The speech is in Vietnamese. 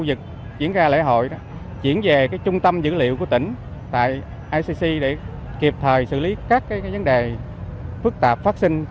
diễn ra lễ hội diễn về trung tâm dữ liệu của tỉnh tại icc để kịp thời xử lý các vấn đề phức tạp phát sinh